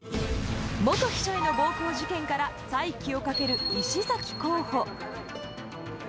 元秘書への暴行事件から再起をかける石崎候補。